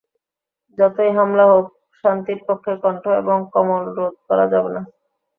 যতই হামলা হোক, শান্তির পক্ষে কণ্ঠ এবং কলম রোধ করা যাবে না।